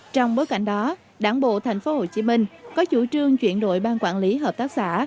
trong bối cảnh đó đảng bộ tp hcm có chủ trương chuyển đổi bang quản lý hợp tác xã